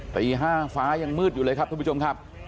ตี๕ฟ้ายังมืดอยู่เลยครับทุกผู้ชมครับ